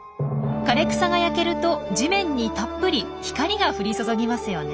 枯れ草が焼けると地面にたっぷり光が降り注ぎますよね。